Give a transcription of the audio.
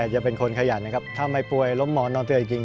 จะเป็นคนขยันนะครับถ้าไม่ป่วยล้มหมอนนอนตัวจริง